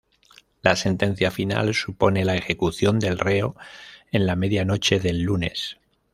La sentencia, final, supone la ejecución del reo en la medianoche del lunes.